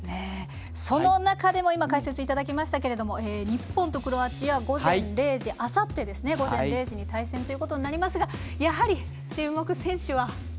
その中でも今、解説いただきましたが日本とクロアチアあさって、午前０時に対戦ということになりますがやはり注目選手は？